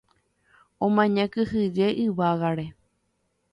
omaña kyhyje yvágare